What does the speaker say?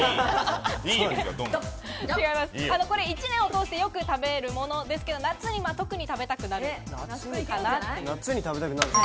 １年を通してよく食べるものですけれど、夏には特に食べたくなるかなという。